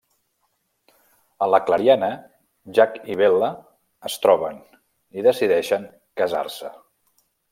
A la clariana, Jack i Bella es troben i decideixen casar-se.